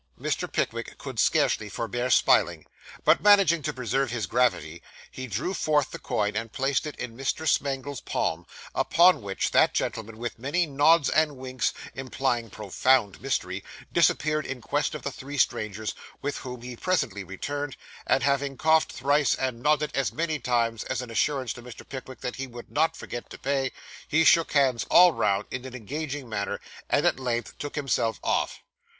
Mr. Pickwick could scarcely forbear smiling, but managing to preserve his gravity, he drew forth the coin, and placed it in Mr. Smangle's palm; upon which, that gentleman, with many nods and winks, implying profound mystery, disappeared in quest of the three strangers, with whom he presently returned; and having coughed thrice, and nodded as many times, as an assurance to Mr. Pickwick that he would not forget to pay, he shook hands all round, in an engaging manner, and at length took himself off.